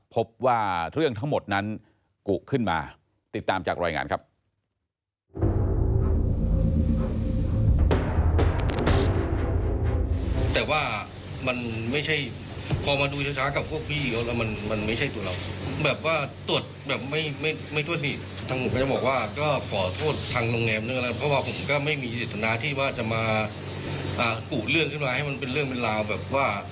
พบว่าเรื่องทั้งหมดนั้นกุขึ้นมาติดตามจากรายงานครับ